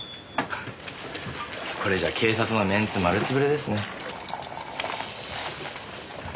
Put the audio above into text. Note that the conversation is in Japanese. これじゃ警察のメンツ丸潰れですね。